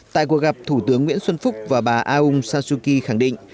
tại cuộc gặp thủ tướng nguyễn xuân phúc và bà aung san suu kyi khẳng định